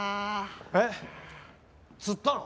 えっ釣ったの？